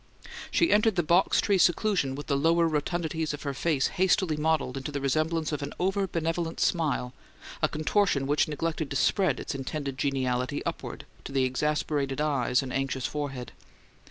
She entered the box tree seclusion with the lower rotundities of her face hastily modelled into the resemblance of an over benevolent smile a contortion which neglected to spread its intended geniality upward to the exasperated eyes and anxious forehead.